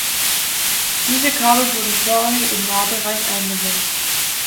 Diese Kabel wurden vorrangig im Nahbereich eingesetzt.